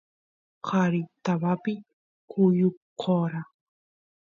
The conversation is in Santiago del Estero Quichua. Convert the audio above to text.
qari tabapi kuyukora